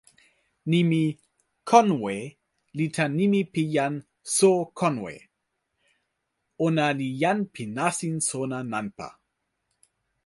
nimi "konwe" li tan nimi pi jan So Konwe. ona li jan pi nasin sona nanpa.